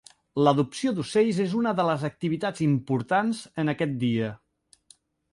L'adopció d'ocells és una de les activitats importants en aquest dia.